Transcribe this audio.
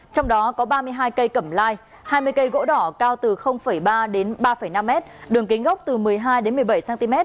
trong đó có ba mươi hai cây cẩm lai hai mươi cây gỗ đỏ cao từ ba đến ba năm m đường kính gốc từ một mươi hai đến một mươi bảy cm